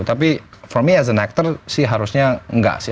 tapi for me as an actor sih harusnya enggak sih